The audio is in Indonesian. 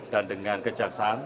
dan dengan kejaksaan